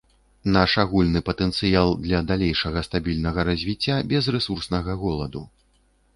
Наш агульны патэнцыял для далейшага стабільнага развіцця без рэсурснага голаду.